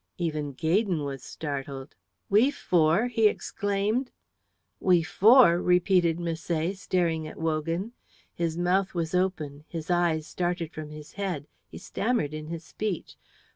Even Gaydon was startled. "We four!" he exclaimed. "We four!" repeated Misset, staring at Wogan. His mouth was open; his eyes started from his head; he stammered in his speech.